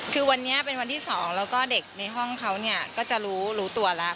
คือวันนี้เป็นวันที่๒แล้วก็เด็กในห้องเขาก็จะรู้ตัวแล้ว